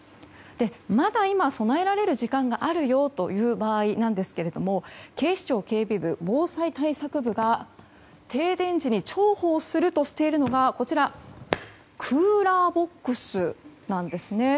まだ今、備えられる時間があるよという場合なんですが警視庁警備部防災対策課が停電時に重宝するとしているのがクーラーボックスなんです。